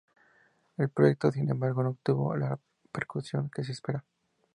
El proyecto, sin embargo, no obtuvo la repercusión que se esperaba.